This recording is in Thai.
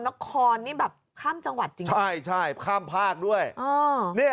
นครนี่แบบข้ามจังหวัดจริงใช่ใช่ข้ามภาคด้วยอ๋อเนี่ย